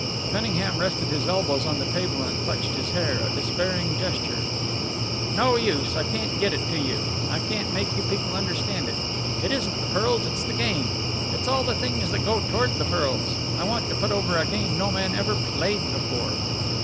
Cunningham rested his elbows on the table and clutched his hair a despairing gesture. "No use! I can't get it to you! I can't make you people understand! It isn't the pearls, it's the game; it's all the things that go toward the pearls. I want to put over a game no man ever played before."